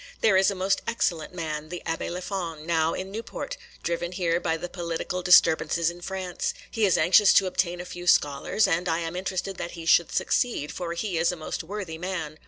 There is a most excellent man, the Abbé Léfon, now in Newport, driven here by the political disturbances in France; he is anxious to obtain a few scholars, and I am interested that he should succeed, for he is a most worthy man.